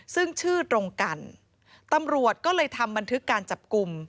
ซึ่งชื่อตรงกันตำรวจก็เลยทำบันทึกการจับกลุ่ม